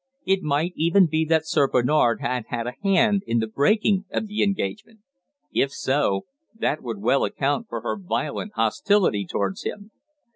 It might even be that Sir Bernard had had a hand in the breaking of the engagement. If so, that would well account for her violent hostility towards him.